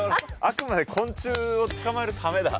あくまで昆虫を捕まえるためだ。